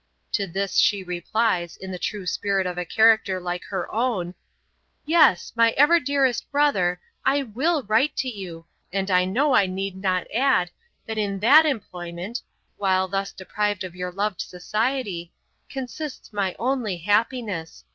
To this she replies, in the true spirit of a character like her own. 'Yes! my ever dearest brother, I will write to you, and I know I need not add, that in that employment (while thus deprived of your loved society) consists my only happiness.